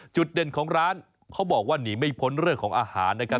จุดเด่นของร้านเขาบอกว่าหนีไม่พ้นเรื่องของอาหารนะครับ